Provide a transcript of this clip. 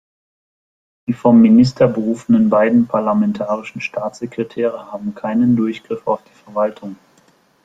Die vom Minister berufenen beiden Parlamentarischen Staatssekretäre haben keinen Durchgriff auf die Verwaltung.